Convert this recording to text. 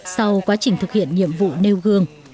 sau quá trình thực hiện nhiệm vụ nêu gương